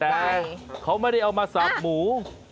แต่เขาไม่ได้เอามาสับหมู